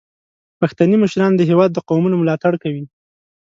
پښتني مشران د هیواد د قومونو ملاتړ کوي.